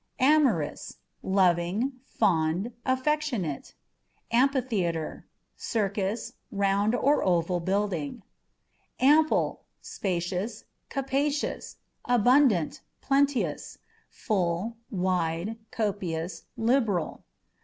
Amorous â€" loving, fond, affectionate. Amphitheatre â€" circus, round or oval building. Ample â€" spacious, capacious ; abundant, plenteous, full, wide, copious, liberal.